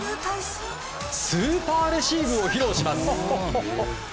スーパーレシーブを披露します。